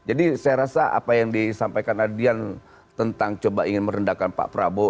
jadi saya rasa apa yang disampaikan adian tentang coba ingin merendahkan pak prabowo